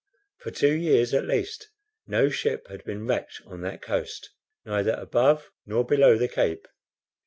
For two years, at least, no ship had been wrecked on that coast, neither above nor below the Cape.